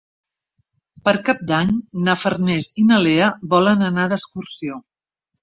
Per Cap d'Any na Farners i na Lea volen anar d'excursió.